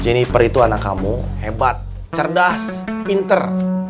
jennifer itu anak kamu hebat cerdas pinter